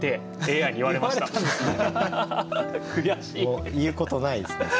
もう言うことないですね。